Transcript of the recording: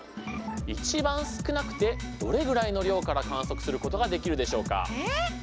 一番少なくてどれぐらいの量から観測することができるでしょうか？